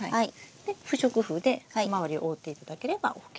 で不織布で周りを覆っていただければＯＫです。